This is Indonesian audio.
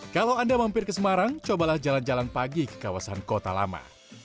kalau anda mampir ke semarang cobalah jalan jalan pagi ke kawasan kota lama